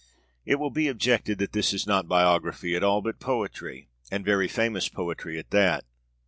It will be objected that this is not biography at all, but poetry, and very famous poetry at that.